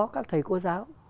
các thầy cô giáo